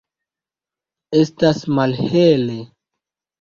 Estas malhele.